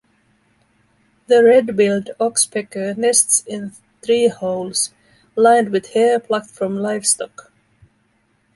The red-billed oxpecker nests in tree holes lined with hair plucked from livestock.